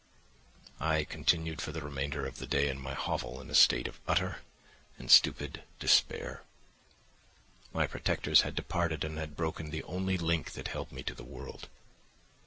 "I continued for the remainder of the day in my hovel in a state of utter and stupid despair. My protectors had departed and had broken the only link that held me to the world.